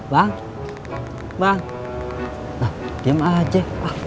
bang bang diam aja